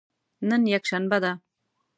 نن یکشنبه ده